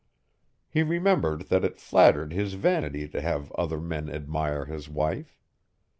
He remembered that it flattered his vanity to have other men admire his wife.